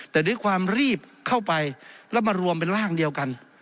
แต่ด้วยความรีบเข้าไปแล้วมารวมเป็นร่างเดียวกัน